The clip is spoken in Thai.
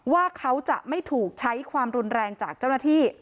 ว่าเขาจะไม่ถูกใช้ความรุนแรงจากเจ้าหน้าที่